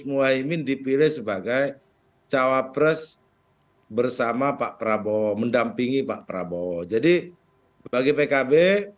muhaymin dipilih sebagai cawapres bersama pak prabowo mendampingi pak prabowo jadi bagi pkb